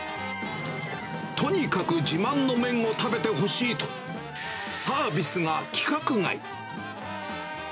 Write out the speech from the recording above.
とにかく自慢の麺を食べてほしいと、サービスが規格外。